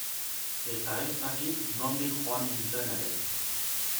Eta ez dakit nondik joan nintzen ere.